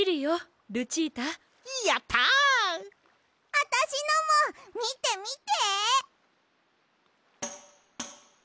あたしのもみてみて！